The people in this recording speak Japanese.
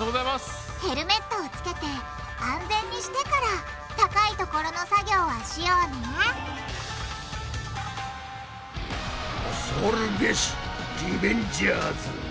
ヘルメットをつけて安全にしてから高い所の作業はしようね恐るべしリベンジャーズ。